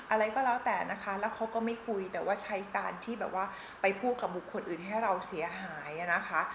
อะไรก็แล้วแต่นะคะแล้วเขาก็ไม่คุยแต่ว่าใช้การที่แบบว่าไปพูดกับบุคคลอื่นให้เราเสียหายนะคะ